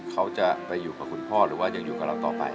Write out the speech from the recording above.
เขาจะไปอยู่กับคุณพ่อหรือว่ายังอยู่กับเราต่อไป